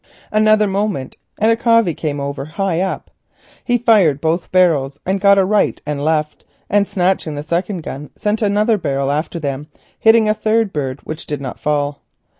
Another moment and a covey came over, high up. He fired both barrels and got a right and left, and snatching the second gun sent another barrel after them, hitting a third bird, which did not fall.